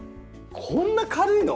こんな軽いの！？